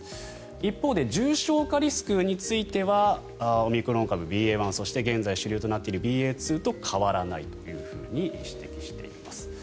一方で、重症化リスクについてはオミクロン株ＢＡ．１そして、現在主流となっているＢＡ．２と変わらないと指摘しています。